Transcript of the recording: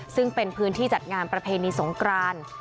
ซึ่งเป็นพื้นที่จัดงานประเพณีสงกราน